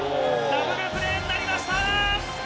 ダブルプレーになりました。